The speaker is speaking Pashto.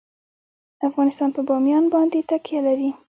افغانستان په بامیان باندې تکیه لري.